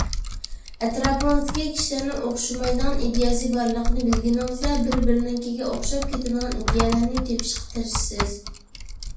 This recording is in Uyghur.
ئەتراپىڭىزدىكى كىشىلەرنىڭ ئوخشىمايدىغان ئىدىيەسى بارلىقىنى بىلگىنىڭىزدە، بىر-بىرىنىڭكىگە ئوخشاپ كېتىدىغان ئىدىيەلەرنى تېپىشقا تىرىشىسىز.